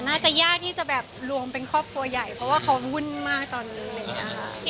น่าจะยากที่จะแบบรวมเป็นครอบครัวใหญ่เพราะว่าเขาวุ่นมากตอนนี้อะไรอย่างนี้ค่ะ